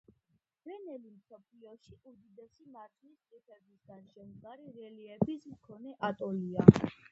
რენელი მსოფლიოში უდიდესი მარჯნის რიფებისგან შემდგარი რელიეფის მქონე ატოლია.